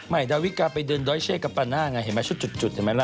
ใหม่ดาวิกาไปเดินดอยเชกกับปาน่าไงเห็นมั้ยชุดเห็นมั้ยล่ะ